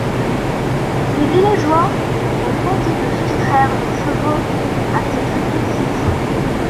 Les villageois vont tenter de soustraire leurs chevaux à cette réquisition...